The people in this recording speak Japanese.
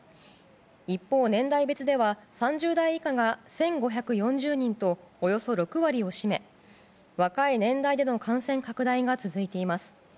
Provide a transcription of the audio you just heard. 一方、年代別では３０代以下が１５４０人とおよそ６割を占め若い年代での感染拡大が続いています。